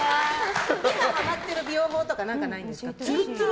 今ハマっている美容法とかないんですか？